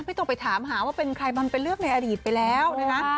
ไม่ต้องไปถามหาว่าเป็นใครมันเป็นเลือกในอดีตไปแล้วนะคะ